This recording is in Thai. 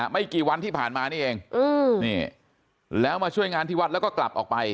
ไม่กี่วันที่ผ่านมานี่เองแล้วมาช่วยงานที่วัดแล้วก็กลับออกไป